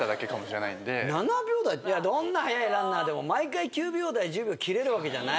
どんな速いランナーでも毎回９秒台１０秒切れるわけじゃないので。